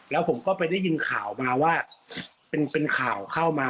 แล้วผมก็ไปได้ยินข่าวมาว่าเป็นข่าวเข้ามา